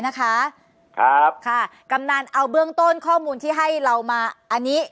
นะคะครับค่ะกำนันเอาเบื้องต้นข้อมูลที่ให้เรามาอันนี้